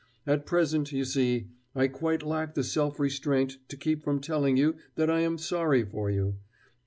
At present, you see, I quite lack the self restraint to keep from telling you that I am sorry for you....